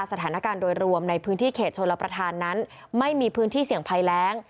สถานการณ์โดยรวมในพื้นที่เขตชลประธานนั้นไม่มีพื้นที่เสี่ยงภัยแรง